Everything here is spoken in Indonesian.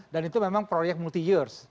dan itu memang proyek multi years